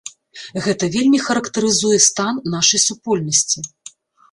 Гэта вельмі характарызуе стан нашай супольнасці.